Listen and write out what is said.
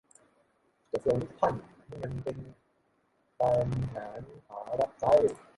กระทรวงดิจิทัลนี่เหมือนไปเป็นแขนขารับใช้